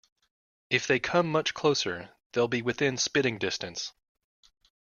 If they come much closer, they'll be within spitting distance.